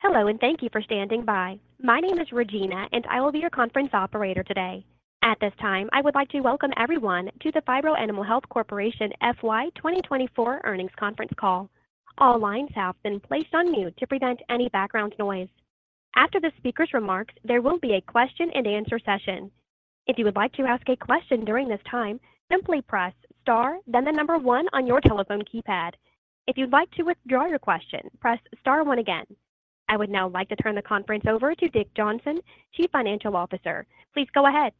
Hello, and thank you for standing by. My name is Regina, and I will be your conference operator today. At this time, I would like to welcome everyone to the Phibro Animal Health Corporation FY 2024 earnings conference call. All lines have been placed on mute to prevent any background noise. After the speaker's remarks, there will be a question-and-answer session. If you would like to ask a question during this time, simply press star, then the number one on your telephone keypad. If you'd like to withdraw your question, press Star One again. I would now like to turn the conference over to Dick Johnson, Chief Financial Officer. Please go ahead.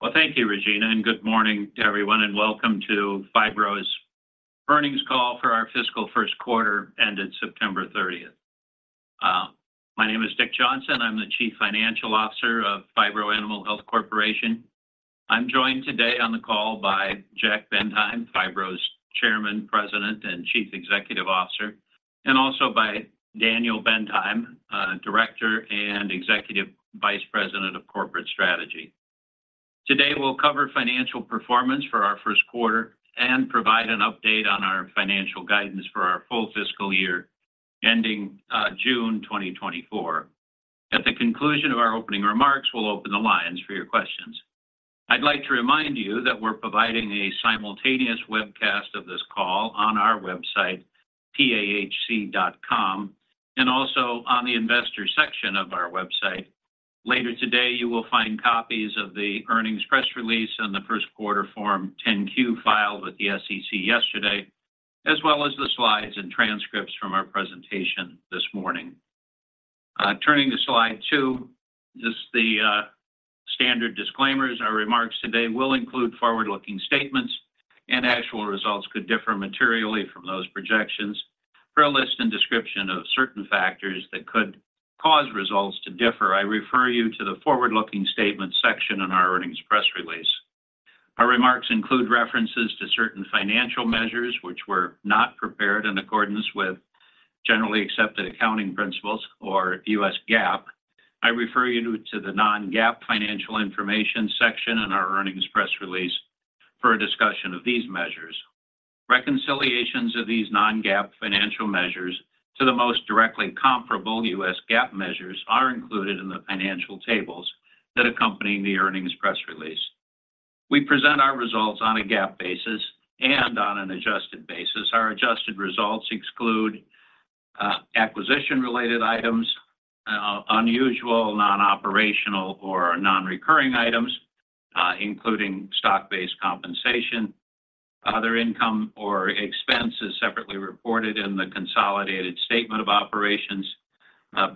Well, thank you, Regina, and good morning to everyone, and welcome to Phibro's earnings call for our fiscal first quarter ended September 30. My name is Dick Johnson. I'm the Chief Financial Officer of Phibro Animal Health Corporation. I'm joined today on the call by Jack Bendheim, Phibro's Chairman, President, and Chief Executive Officer, and also by Daniel Bendheim, Director and Executive Vice President of Corporate Strategy. Today, we'll cover financial performance for our first quarter and provide an update on our financial guidance for our full fiscal year ending June 2024. At the conclusion of our opening remarks, we'll open the lines for your questions. I'd like to remind you that we're providing a simultaneous webcast of this call on our website, pahc.com, and also on the investors section of our website. Later today, you will find copies of the earnings press release and the first quarter Form 10-Q filed with the SEC yesterday, as well as the slides and transcripts from our presentation this morning. Turning to slide two, this is the standard disclaimers. Our remarks today will include forward-looking statements, and actual results could differ materially from those projections. For a list and description of certain factors that could cause results to differ, I refer you to the forward-looking statement section in our earnings press release. Our remarks include references to certain financial measures which were not prepared in accordance with generally accepted accounting principles or U.S. GAAP. I refer you to the non-GAAP financial information section in our earnings press release for a discussion of these measures. Reconciliations of these non-GAAP financial measures to the most directly comparable U.S. GAAP measures are included in the financial tables that accompany the earnings press release. We present our results on a GAAP basis and on an adjusted basis. Our adjusted results exclude acquisition-related items, unusual, non-operational, or non-recurring items, including stock-based compensation. Other income or expense is separately reported in the consolidated statement of operations,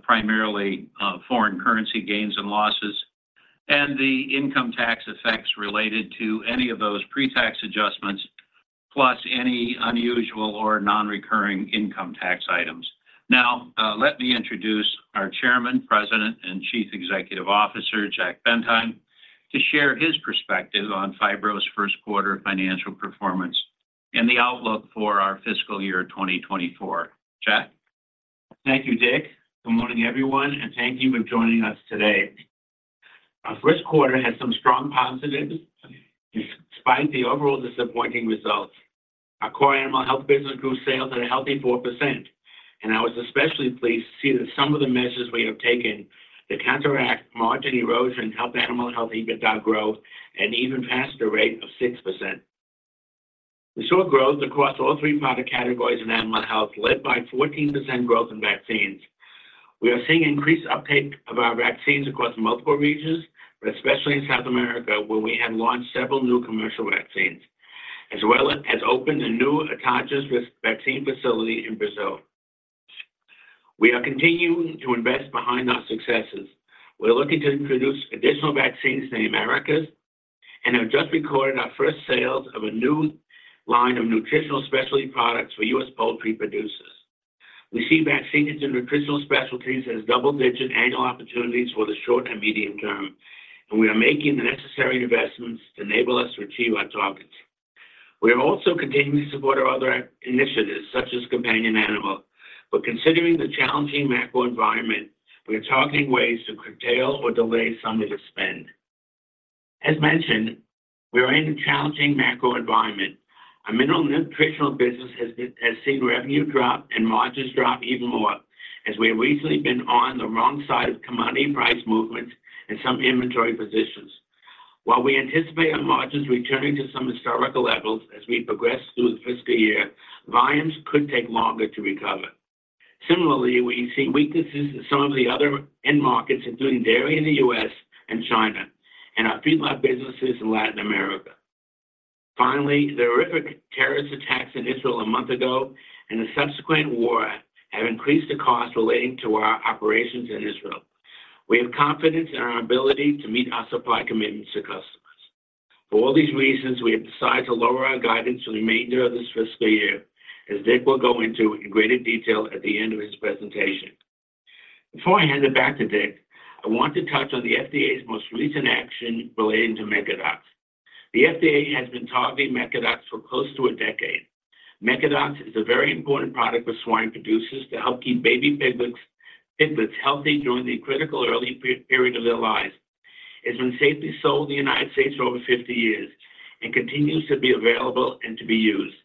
primarily foreign currency gains and losses, and the income tax effects related to any of those pre-tax adjustments, plus any unusual or non-recurring income tax items. Now, let me introduce our Chairman, President, and Chief Executive Officer, Jack Bendheim, to share his perspective on Phibro's first quarter financial performance and the outlook for our fiscal year 2024. Jack? Thank you, Dick. Good morning, everyone, and thank you for joining us today. Our first quarter had some strong positives despite the overall disappointing results. Our core animal health business grew sales at a healthy 4%, and I was especially pleased to see that some of the measures we have taken to counteract margin erosion helped animal health EBITDA growth and even passed a rate of 6%. We saw growth across all three product categories in animal health, led by 14% growth in vaccines. We are seeing increased uptake of our vaccines across multiple regions, but especially in South America, where we have launched several new commercial vaccines, as well as opened a new state-of-the-art vaccine facility in Brazil. We are continuing to invest behind our successes. We're looking to introduce additional vaccines to the Americas and have just recorded our first sales of a new line of nutritional specialty products for U.S. poultry producers. We see vaccines and nutritional specialties as double-digit annual opportunities for the short and medium term, and we are making the necessary investments to enable us to achieve our targets. We are also continuing to support our other initiatives, such as companion animal, but considering the challenging macro environment, we are targeting ways to curtail or delay some of the spend. As mentioned, we are in a challenging macro environment. Our mineral and nutritional business has seen revenue drop and margins drop even more as we have recently been on the wrong side of commodity price movements and some inventory positions. While we anticipate our margins returning to some historical levels as we progress through the fiscal year, volumes could take longer to recover. Similarly, we see weaknesses in some of the other end markets, including dairy in the U.S. and China and our feedlot businesses in Latin America. Finally, the horrific terrorist attacks in Israel a month ago and the subsequent war have increased the cost relating to our operations in Israel. We have confidence in our ability to meet our supply commitments to customers. For all these reasons, we have decided to lower our guidance for the remainder of this fiscal year, as Dick will go into in greater detail at the end of his presentation. Before I hand it back to Dick, I want to touch on the FDA's most recent action relating to Mecadox. The FDA has been targeting Mecadox for close to a decade. Mecadox is a very important product for swine producers to help keep baby piglets, piglets healthy during the critical early period of their lives... It has been safely sold in the United States for over 50 years and continues to be available and to be used.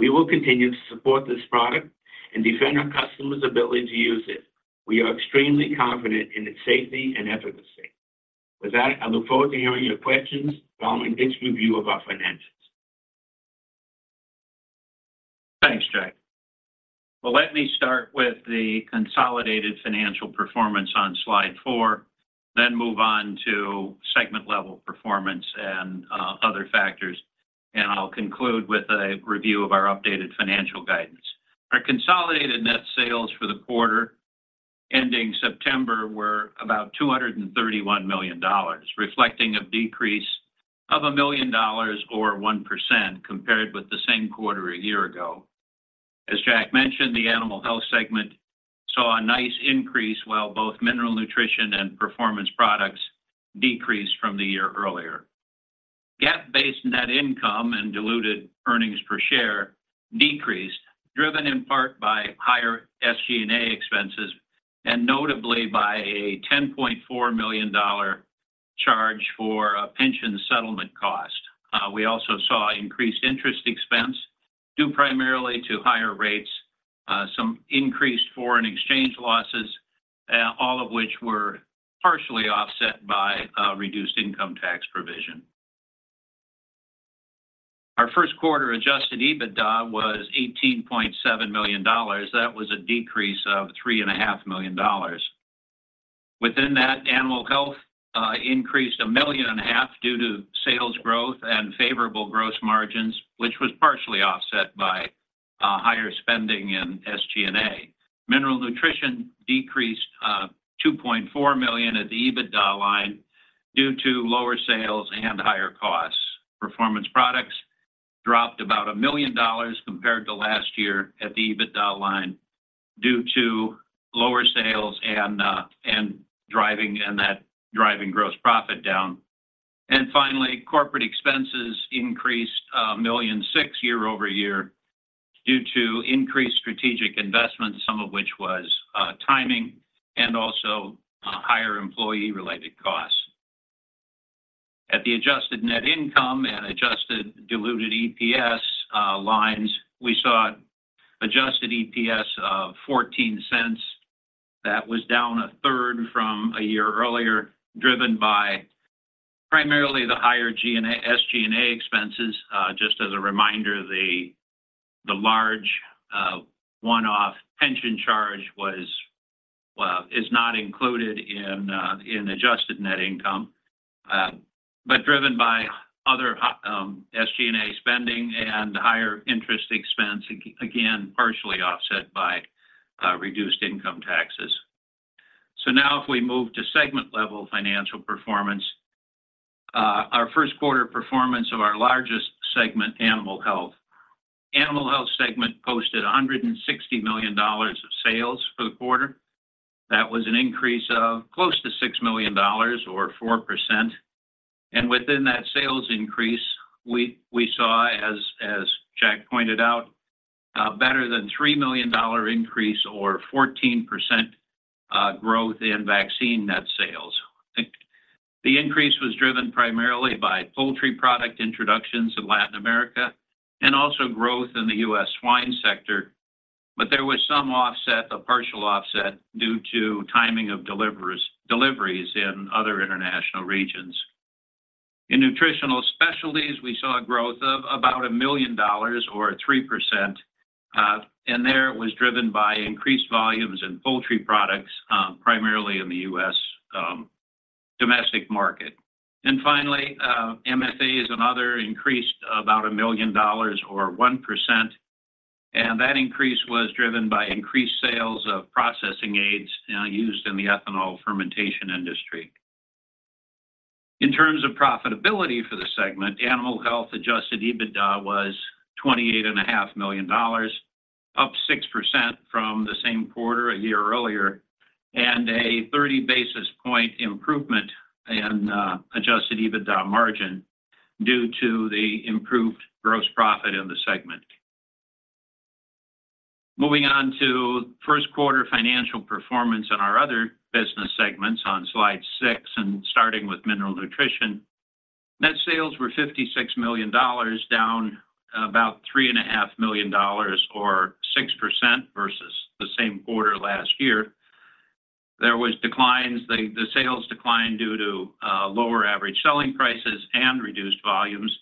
We will continue to support this product and defend our customers' ability to use it. We are extremely confident in its safety and efficacy. With that, I look forward to hearing your questions following Rich's review of our finances. Thanks, Jack. Well, let me start with the consolidated financial performance on slide four, then move on to segment-level performance and other factors, and I'll conclude with a review of our updated financial guidance. Our consolidated net sales for the quarter ending September were about $231 million, reflecting a decrease of $1 million, or 1%, compared with the same quarter a year ago. As Jack mentioned, the animal health segment saw a nice increase, while both mineral nutrition and performance products decreased from the year earlier. GAAP-based net income and diluted earnings per share decreased, driven in part by higher SG&A expenses and notably by a $10.4 million charge for a pension settlement cost. We also saw increased interest expense, due primarily to higher rates, some increased foreign exchange losses, all of which were partially offset by a reduced income tax provision. Our first quarter Adjusted EBITDA was $18.7 million. That was a decrease of $3.5 million. Within that, animal health increased $1.5 million due to sales growth and favorable gross margins, which was partially offset by higher spending in SG&A. Mineral nutrition decreased $2.4 million at the EBITDA line due to lower sales and higher costs. Performance products dropped about $1 million compared to last year at the EBITDA line due to lower sales and that driving gross profit down. Finally, corporate expenses increased $1.6 million year-over-year due to increased strategic investments, some of which was timing and also higher employee-related costs. At the adjusted net income and adjusted diluted EPS lines, we saw adjusted EPS of $0.14. That was down a third from a year earlier, driven by primarily the higher SG&A expenses. Just as a reminder, the large one-off pension charge was, well, is not included in adjusted net income, but driven by other SG&A spending and higher interest expense, again, partially offset by reduced income taxes. So now if we move to segment-level financial performance, our first quarter performance of our largest segment, animal health. Animal health segment posted $160 million of sales for the quarter. That was an increase of close to $6 million, or 4%. And within that sales increase, we saw, as Jack pointed out, a better than $3 million dollar increase or 14% growth in vaccine net sales. The increase was driven primarily by poultry product introductions in Latin America and also growth in the U.S. swine sector. But there was some offset, a partial offset, due to timing of deliveries in other international regions. In nutritional specialties, we saw a growth of about $1 million, or 3%, and there it was driven by increased volumes in poultry products, primarily in the U.S. domestic market. And finally, MFAs and other increased about $1 million or 1%, and that increase was driven by increased sales of processing aids used in the ethanol fermentation industry. In terms of profitability for the segment, Animal Health Adjusted EBITDA was $28.5 million, up 6% from the same quarter a year earlier, and a 30 basis point improvement in Adjusted EBITDA margin due to the improved gross profit in the segment. Moving on to first quarter financial performance in our other business segments on slide six, and starting with mineral nutrition. Net sales were $56 million, down about $3.5 million or 6% versus the same quarter last year. There was declines, the sales declined due to lower average selling prices and reduced volumes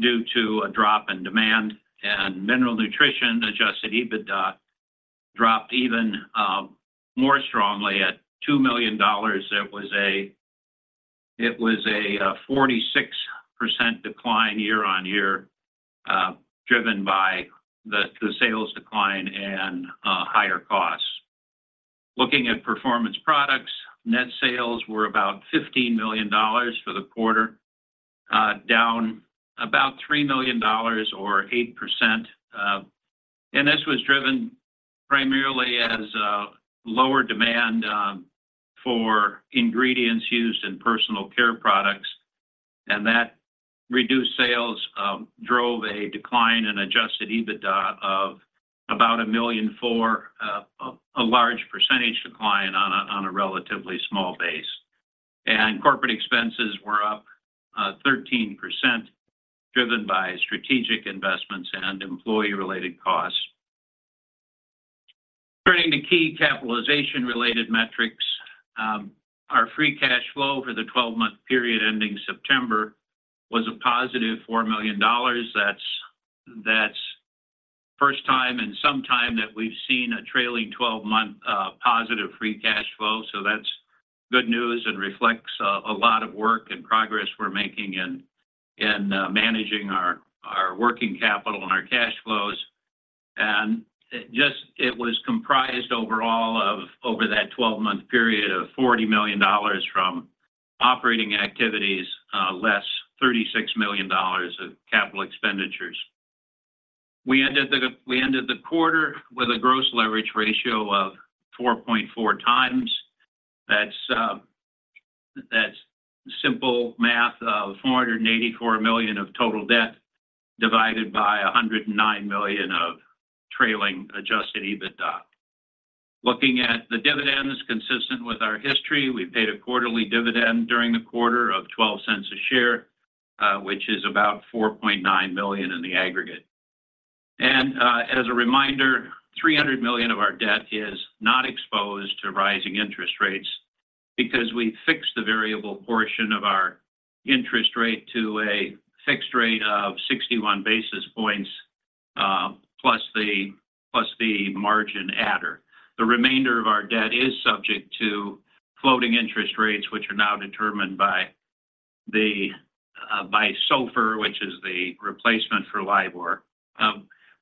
due to a drop in demand. And mineral nutrition Adjusted EBITDA dropped even more strongly at $2 million. It was a 46% decline year-over-year, driven by the sales decline and higher costs. Looking at performance products, net sales were about $15 million for the quarter, down about $3 million or 8%, and this was driven primarily as a lower demand for ingredients used in personal care products. And that reduced sales drove a decline in Adjusted EBITDA of about $1.4 million, a large percentage decline on a relatively small base. And corporate expenses were up 13%, driven by strategic investments and employee-related costs. Turning to key capitalization-related metrics, our free cash Flow for the 12-month period ending September was a positive $4 million. That's the first time in some time that we've seen a trailing 12-month positive free cash flow. So that's good news and reflects a lot of work and progress we're making in managing our working capital and our cash flows. And it just, it was comprised overall of over that 12-month period of $40 million from operating activities, less $36 million of capital expenditures. We ended the quarter with a gross leverage ratio of 4.4x. That's simple math of 484 million of total debt, divided by 109 million of trailing adjusted EBITDA. Looking at the dividends consistent with our history, we paid a quarterly dividend during the quarter of $0.12 a share, which is about $4.9 million in the aggregate. As a reminder, $300 million of our debt is not exposed to rising interest rates because we fixed the variable portion of our interest rate to a fixed rate of 61 basis points, plus the margin adder. The remainder of our debt is subject to floating interest rates, which are now determined by SOFR, which is the replacement for LIBOR.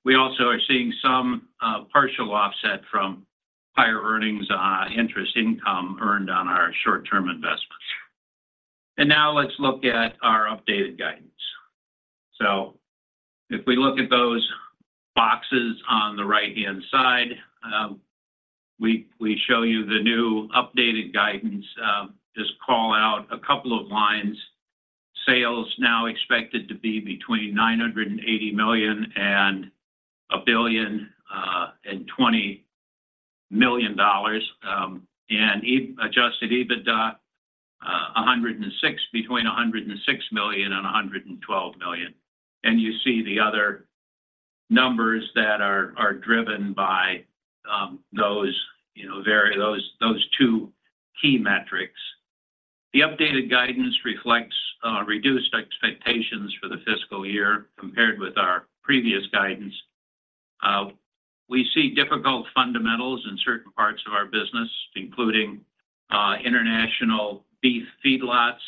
We also are seeing some partial offset from higher earnings on interest income earned on our short-term investments. Now let's look at our updated guidance. If we look at those boxes on the right-hand side, we show you the new updated guidance. Just call out a couple of lines. Sales now expected to be between $980 million and $1.02 billion, and Adjusted EBITDA between $106 million and $112 million. You see the other numbers that are, are driven by, those, you know, vary those, those two key metrics. The updated guidance reflects reduced expectations for the fiscal year compared with our previous guidance. We see difficult fundamentals in certain parts of our business, including international beef feedlots,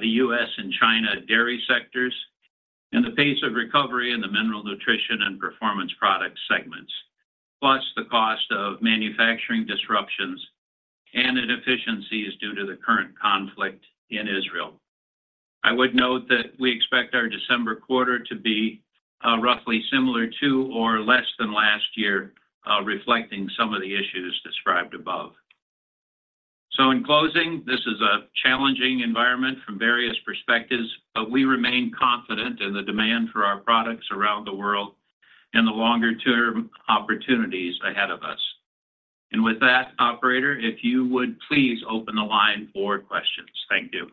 the U.S. and China dairy sectors, and the pace of recovery in the mineral nutrition and performance product segments, plus the cost of manufacturing disruptions and inefficiencies due to the current conflict in Israel. I would note that we expect our December quarter to be roughly similar to or less than last year, reflecting some of the issues described above. So in closing, this is a challenging environment from various perspectives, but we remain confident in the demand for our products around the world and the longer-term opportunities ahead of us. And with that, operator, if you would please open the line for questions. Thank you.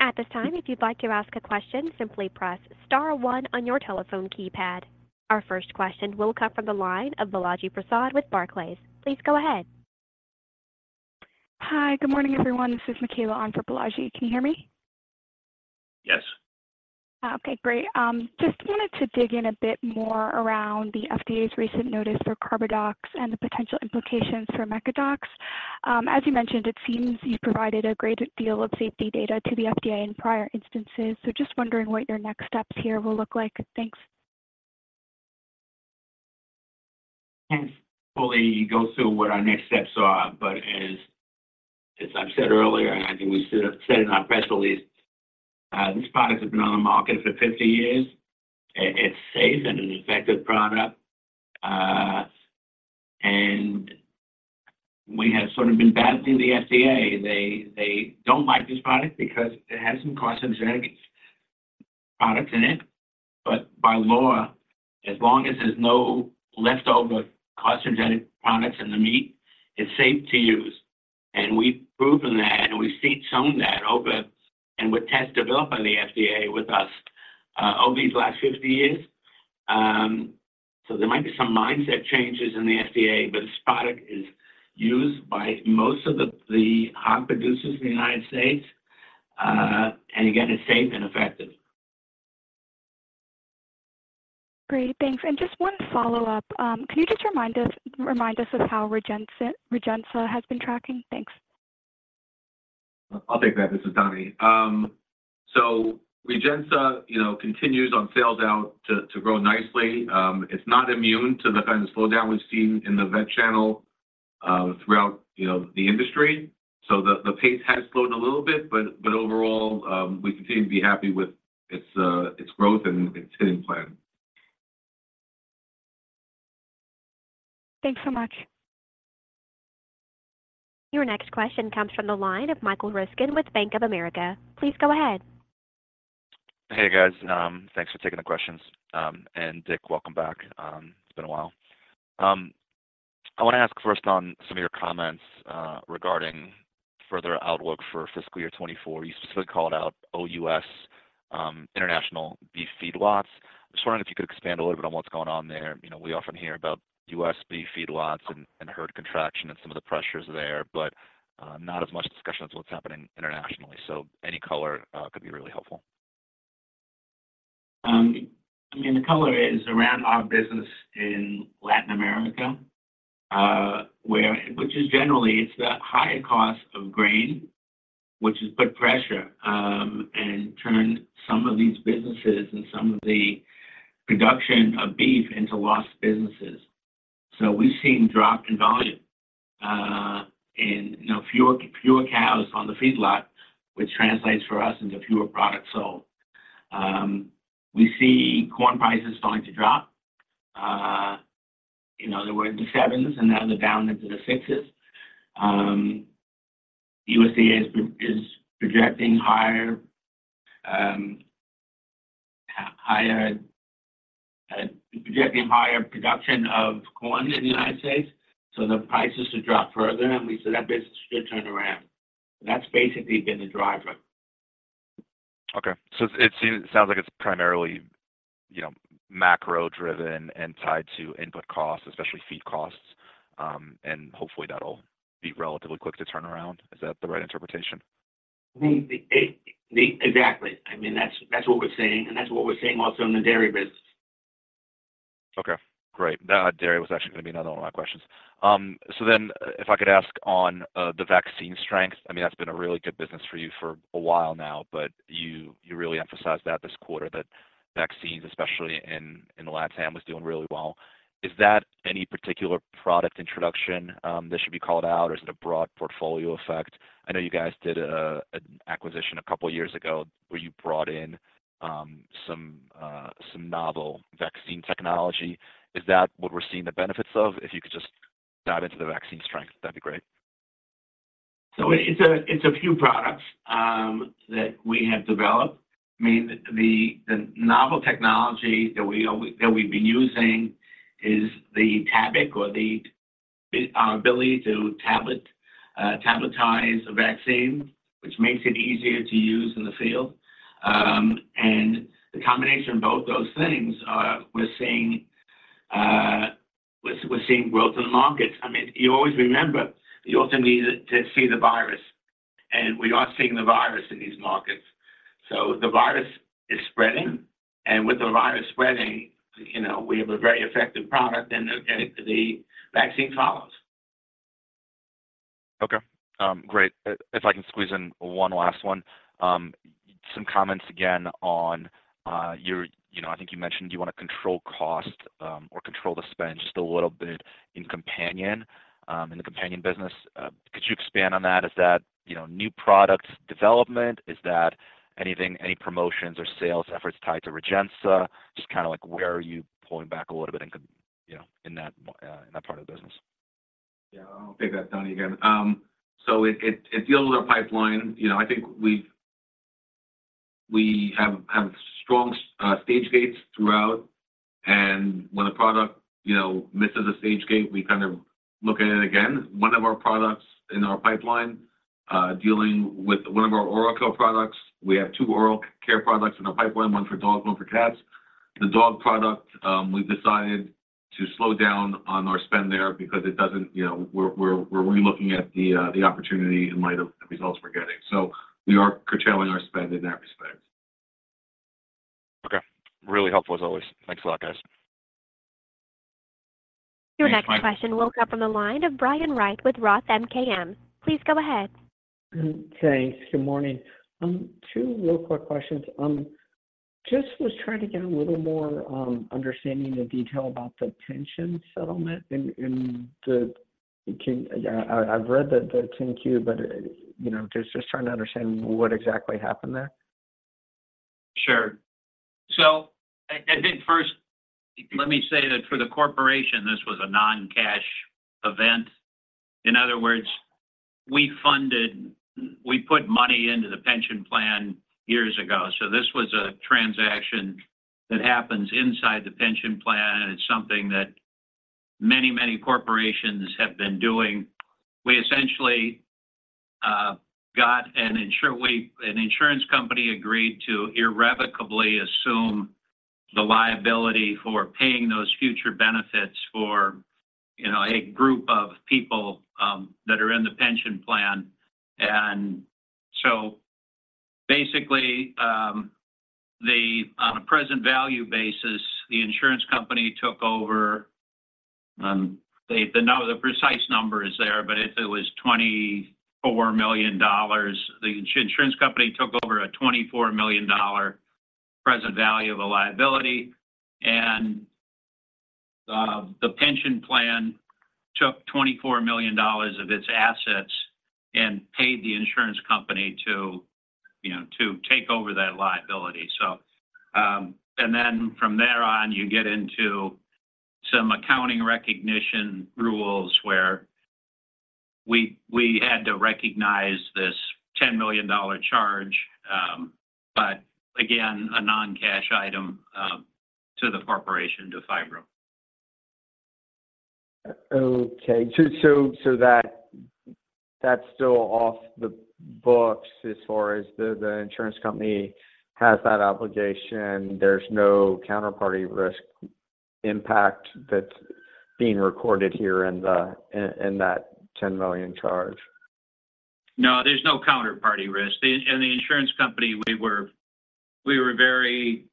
At this time, if you'd like to ask a question, simply press star one on your telephone keypad. Our first question will come from the line of Balaji Prasad with Barclays. Please go ahead. Hi, good morning, everyone. This is Mikaela on for Balaji. Can you hear me? Yes. Okay, great. Just wanted to dig in a bit more around the FDA's recent notice for carbadox and the potential implications for Mecadox. As you mentioned, it seems you provided a great deal of safety data to the FDA in prior instances, so just wondering what your next steps here will look like. Thanks. Can't fully go through what our next steps are, but as I've said earlier, and I think we said in our press release, this product has been on the market for 50 years. It's safe and an effective product. And we have sort of been battling the FDA. They don't like this product because it has some carcinogenic products in it. But by law, as long as there's no leftover carcinogenic products in the meat, it's safe to use. And we've proven that, and we've seen some of that with tests developed by the FDA with us over these last 50 years. So there might be some mindset changes in the FDA, but this product is used by most of the hog producers in the United States. And again, it's safe and effective. Great, thanks. And just one follow-up. Can you just remind us, remind us of how Rejensa, Rejensa has been tracking? Thanks. I'll take that. This is Donnie. So Rejensa, you know, continues on sales out to, to grow nicely. It's not immune to the kind of slowdown we've seen in the vet channel, throughout, you know, the industry. So the, the pace has slowed a little bit, but, but overall, we continue to be happy with its, its growth and its hitting plan. Thanks so much.... Your next question comes from the line of Michael Ryskin with Bank of America. Please go ahead. Hey, guys. Thanks for taking the questions. And Dick, welcome back. It's been a while. I want to ask first on some of your comments, regarding further outlook for fiscal year 2024. You specifically called out OUS, international beef feedlots. Just wondering if you could expand a little bit on what's going on there. You know, we often hear about U.S. beef feedlots and herd contraction and some of the pressures there, but not as much discussion on what's happening internationally. So any color could be really helpful. I mean, the color is around our business in Latin America, where it is generally the higher cost of grain, which has put pressure and turned some of these businesses and some of the production of beef into loss businesses. So we've seen a drop in volume, and, you know, fewer cows on the feedlot, which translates for us into fewer products sold. We see corn prices starting to drop. You know, they were in the $7s, and now they're down into the $6s. USDA is projecting higher production of corn in the United States, so the prices should drop further, and we see that business should turn around. That's basically been the driver. Okay. So it seems, sounds like it's primarily, you know, macro-driven and tied to input costs, especially feed costs. Hopefully, that'll be relatively quick to turn around. Is that the right interpretation? Exactly. I mean, that's what we're seeing, and that's what we're seeing also in the dairy business. Okay, great. That dairy was actually going to be another one of my questions. So then if I could ask on the vaccine strength, I mean, that's been a really good business for you for a while now, but you, you really emphasized that this quarter, that vaccines, especially in Latam, was doing really well. Is that any particular product introduction that should be called out, or is it a broad portfolio effect? I know you guys did an acquisition a couple of years ago where you brought in some novel vaccine technology. Is that what we're seeing the benefits of? If you could just dive into the vaccine strength, that'd be great. So it's a few products that we have developed. I mean, the novel technology that we've been using is the tablet or the ability to tabletize a vaccine, which makes it easier to use in the field. And the combination of both those things, we're seeing growth in markets. I mean, you always remember, you also need to see the virus, and we are seeing the virus in these markets. So the virus is spreading, and with the virus spreading, you know, we have a very effective product, and the vaccine follows. Okay, great. If I can squeeze in one last one. Some comments again on your—you know, I think you mentioned you want to control cost or control the spend just a little bit in Companion, in the Companion business. Could you expand on that? Is that, you know, new product development? Is that anything, any promotions or sales efforts tied to Rejensa? Just kind of like, where are you pulling back a little bit in, you know, in that, in that part of the business? Yeah, I'll take that, Donnie, again. So it deals with our pipeline. You know, I think we've... We have strong stage gates throughout, and when a product, you know, misses a stage gate, we kind of look at it again. One of our products in our pipeline, dealing with one of our oral care products. We have two oral care products in our pipeline, one for dogs, one for cats. The dog product, we've decided to slow down on our spend there because it doesn't... You know, we're relooking at the opportunity in light of the results we're getting, so we are curtailing our spend in that respect. Okay. Really helpful as always. Thanks a lot, guys. Your next question will come from the line of Brian Wright with Roth MKM. Please go ahead. Thanks. Good morning. Two real quick questions. Just was trying to get a little more understanding and detail about the pension settlement in the... I've read the 10-Q, but, you know, just trying to understand what exactly happened there. Sure. First, let me say that for the corporation, this was a non-cash event. In other words, we put money into the pension plan years ago, so this was a transaction that happens inside the pension plan, and it's something that many, many corporations have been doing. We essentially got an insurance company agreed to irrevocably assume the liability for paying those future benefits for, you know, a group of people that are in the pension plan. And so basically, on a present value basis, the insurance company took over the precise number is there, but it was $24 million. The insurance company took over a $24 million present value of the liability, and the pension plan took $24 million of its assets and paid the insurance company to, you know, to take over that liability. So, and then from there on, you get into some accounting recognition rules where we had to recognize this $10 million charge. But again, a non-cash item to the corporation, to Phibro. Okay. So, that's still off the books as far as the insurance company has that obligation. There's no counterparty risk impact that's being recorded here in that $10 million charge? No, there's no counterparty risk. The insurance company, we were very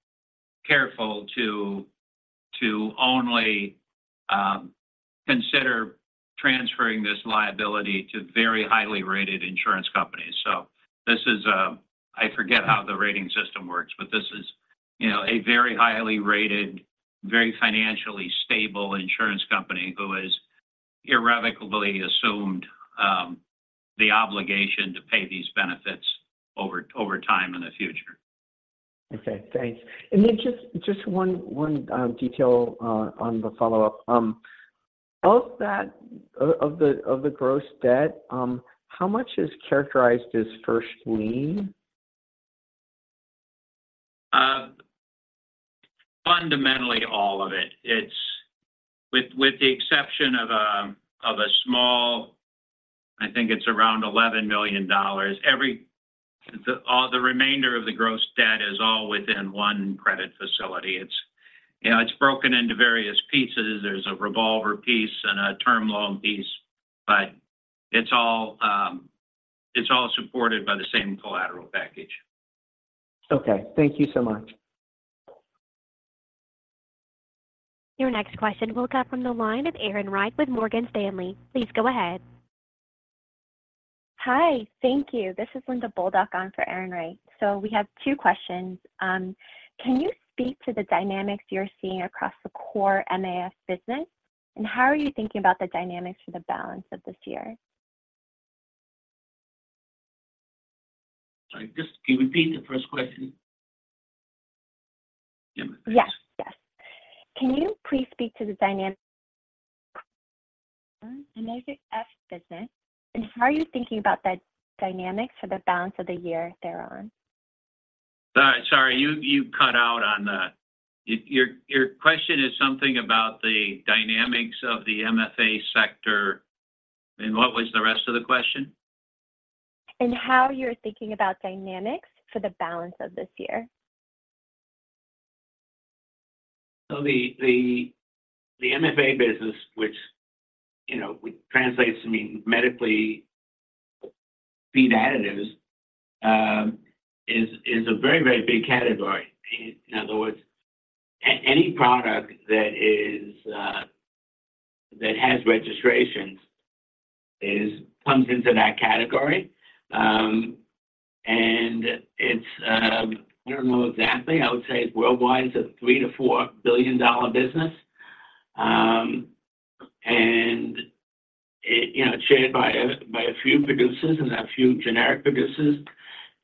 careful to only consider transferring this liability to very highly rated insurance companies. So this is, I forget how the rating system works, but this is, you know, a very highly rated, very financially stable insurance company who has irrevocably assumed the obligation to pay these benefits over time in the future. Okay, thanks. And then just one detail on the follow-up. Of that gross debt, how much is characterized as first lien? Fundamentally, all of it. It's with the exception of a small, I think it's around $11 million. The remainder of the gross debt is all within one credit facility. It's, you know, broken into various pieces. There's a revolver piece and a term loan piece, but it's all, it's all supported by the same collateral package. Okay. Thank you so much. Your next question will come from the line of Erin Wright with Morgan Stanley. Please go ahead. Hi, thank you. This is Linda Bolduc on for Erin Wright. We have two questions. Can you speak to the dynamics you're seeing across the core MFA business, and how are you thinking about the dynamics for the balance of this year? Sorry, just can you repeat the first question? Yes. Yes. Can you please speak to the dynamic MFA business, and how are you thinking about the dynamics for the balance of the year thereon? Sorry, you cut out on the... Your question is something about the dynamics of the MFA sector, and what was the rest of the question? How you're thinking about dynamics for the balance of this year? So the MFA business, which, you know, translates to mean medicated feed additives, is a very, very big category. In other words, any product that is that has registrations comes into that category. And it's, I don't know exactly. I would say it's worldwide, it's a $3 billion-$4 billion business. And it, you know, it's shared by a few producers and a few generic producers,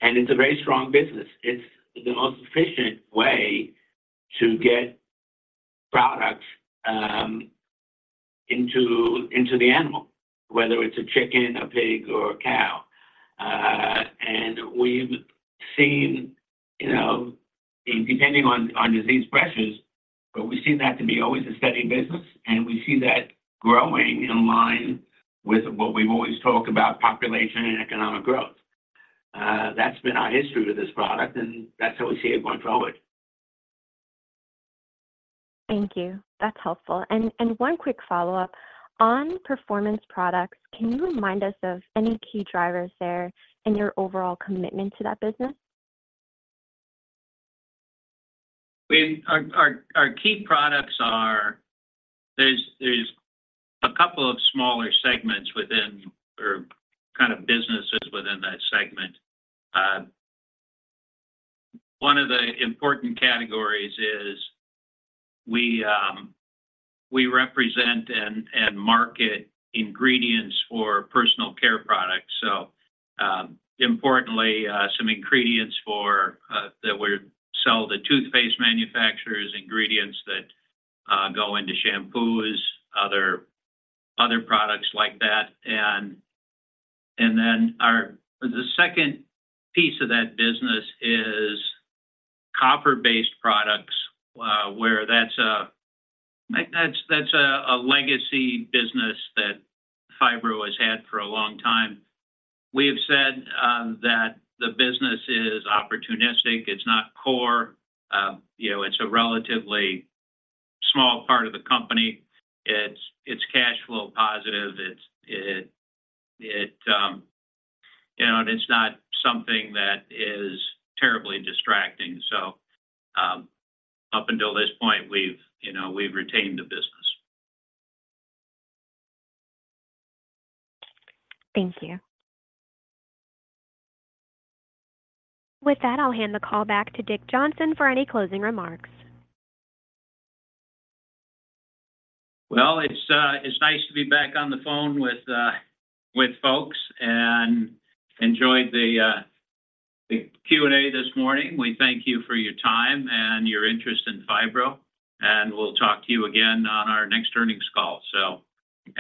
and it's a very strong business. It's the most efficient way to get products into the animal, whether it's a chicken, a pig, or a cow. And we've seen, you know, depending on disease pressures, but we've seen that to be always a steady business, and we see that growing in line with what we've always talked about, population and economic growth. That's been our history with this product, and that's how we see it going forward. Thank you. That's helpful. And one quick follow-up. On performance products, can you remind us of any key drivers there and your overall commitment to that business? Our key products are. There's a couple of smaller segments within our kind of businesses within that segment. One of the important categories is we represent and market ingredients for personal care products. So, importantly, some ingredients for that we sell to toothpaste manufacturers, ingredients that go into shampoos, other products like that. And then the second piece of that business is copper-based products, where that's a legacy business that Phibro has had for a long time. We have said that the business is opportunistic. It's not core. You know, it's a relatively small part of the company. It's cash flow positive. You know, and it's not something that is terribly distracting. Up until this point, we've, you know, we've retained the business. Thank you. With that, I'll hand the call back to Dick Johnson for any closing remarks. Well, it's, it's nice to be back on the phone with, with folks and enjoyed the, the Q&A this morning. We thank you for your time and your interest in Phibro, and we'll talk to you again on our next earnings call. So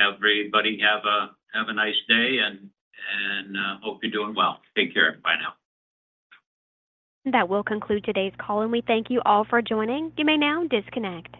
everybody, have a, have a nice day and, and, hope you're doing well. Take care. Bye now. That will conclude today's call, and we thank you all for joining. You may now disconnect.